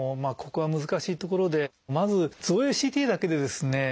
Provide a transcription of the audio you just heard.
ここが難しいところでまず造影ＣＴだけでですね